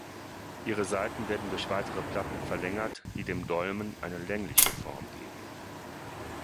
Ihre Seiten werden durch weitere Platten verlängert, die dem Dolmen eine längliche Form geben.